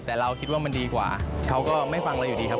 แต่เราคิดว่ามันดีกว่าเขาก็ไม่ฟังเราอยู่ดีครับ